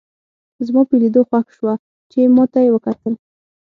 زما په لیدو خوښ شوه چې ما ته یې وکتل.